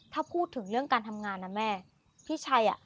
ถ้าพูดถึงเรื่องการทำงานนะแม่พี่ชัยอ่ะ